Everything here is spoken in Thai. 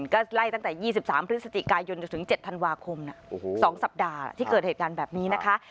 ก็ไล่ตั้งแต่๒๓พฤศจิกายนจนถึง๗ธันวาคม๒สัปดาห์ที่เกิดเหตุการณ์แบบนี้นะคะ